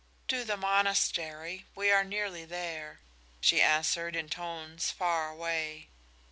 "To the monastery. We are nearly there." she answered, in tones far away.